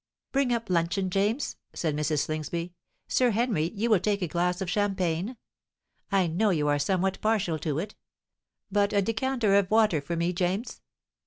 "Bring up luncheon, James," said Mrs. Slingsby. "Sir Henry, you will take a glass of champagne? I know you are somewhat partial to it. But a decanter of water for me, James."